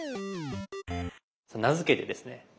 名付けてですね